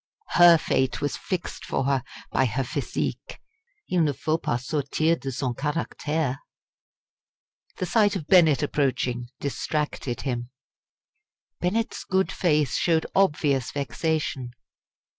Her fate was fixed for her by her physique. Il ne faut pas sortir de son caractère. The sight of Bennett approaching distracted him. Bennett's good face showed obvious vexation.